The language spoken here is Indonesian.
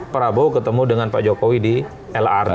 prabowo ketemu dengan pak jokowi di lrt